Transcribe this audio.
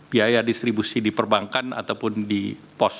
biaya distribusi di perbankan ataupun di pos